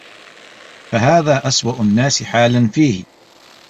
فَهَذَا أَسْوَأُ النَّاسِ حَالًا فِيهِ